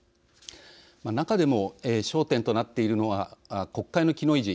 中でも焦点となっているのは国会の機能維持。